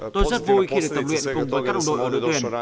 tôi rất vui khi được tập luyện cùng với các đồng đội ở đội tuyển